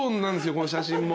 この写真も。